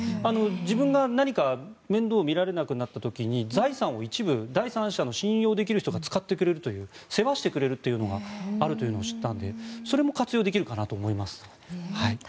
自分が何か面倒を見られなくなった時に財産を一部、第三者の信用できる人が使ってくれるという世話してくれるというのがあるというのを知ったのでそれも活用できるかなと思います。